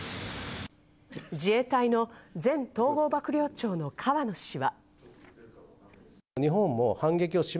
自衛隊の前統合幕僚長の河野氏は。